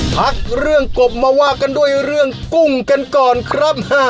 พักเรื่องกบมาว่ากันด้วยเรื่องกุ้งกันก่อนครับ